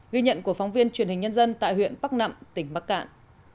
ghi nhận của phóng viên truyền hình nhân dân tại huyện bắc nẵm tỉnh bắc cạn